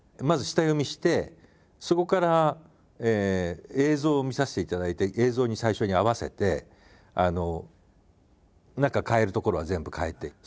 まず下読みしてそこから映像を見させていただいて映像に最初に合わせて何か変えるところは全部変えて。